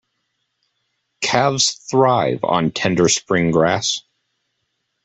Calves thrive on tender spring grass.